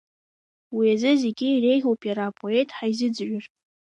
Уи азы зегьы иреиӷьуп иара апоет ҳаизыӡырҩыр…